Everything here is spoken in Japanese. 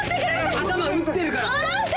頭打ってるから！